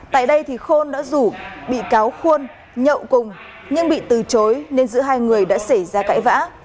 tại đây thì khôn đã rủ bị cáo khuôn nhậu cùng nhưng bị từ chối nên giữa hai người đã xảy ra cãi vã